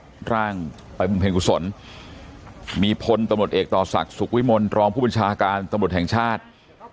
รับร่างไปบุญเพ็ญกุศลมีพลตมติเอกต่อศักดิ์สุขวิมลรองผู้บัญชาการตมติแห่งชาติ